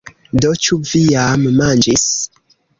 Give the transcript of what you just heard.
Do, ĉu vi jam manĝis?